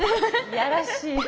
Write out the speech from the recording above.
いやらしい。